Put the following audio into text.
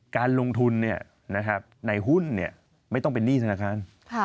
การลงทุนในหุ้นไม่ต้องเป็นหนี้ธนาคาร